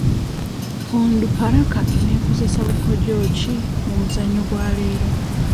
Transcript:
Onduparaka eneekozesa bukodyo ki mu muzannyo gwa leero?